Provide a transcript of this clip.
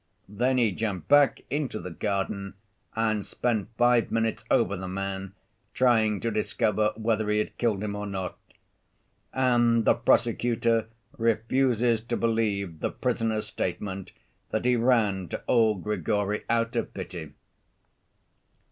Then he jumped back into the garden and spent five minutes over the man, trying to discover whether he had killed him or not. And the prosecutor refuses to believe the prisoner's statement that he ran to old Grigory out of pity.